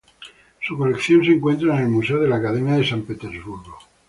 Su colección se encuentra en el Museo de la Academia de San Petersburgo.